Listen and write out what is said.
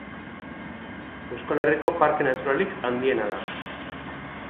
Euskal Herriko parke naturalik handiena da.